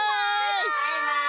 バイバイ！